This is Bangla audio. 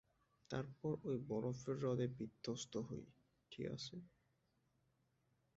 তারপর ওই বরফের হ্রদে বিধ্বস্ত হই, ঠিক আছে?